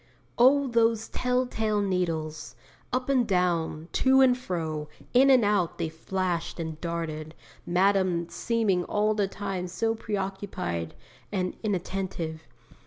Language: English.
"' Oh those tell tale needles! Up and down, to and fro, in and out they flashed and darted, Madame seeming all the time so preoccupied and inattentive!